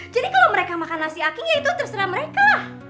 jadi kalau mereka makan nasi aking ya itu terserah mereka